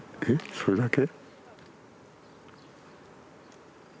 それだけ？